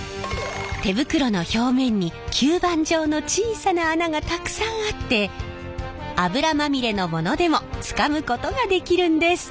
手袋の表面に吸盤状の小さな穴がたくさんあって油まみれのものでもつかむことができるんです！